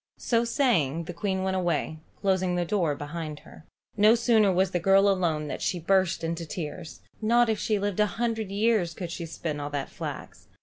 So saying the Queen went away, closing the door behind her. No sooner was the girl alone than she burst into tears. Not if she lived a hundred years could she spin all that flax.